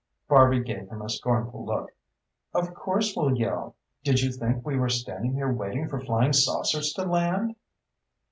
Barby gave him a scornful look. "Of course we'll yell. Did you think we were standing here waiting for flying saucers to land?"